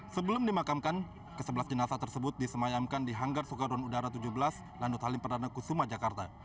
sebelum dimakamkan kesebelas jenasa tersebut disemayamkan di hanggar sukadron udara tujuh belas lanut halim perdana kusuma jakarta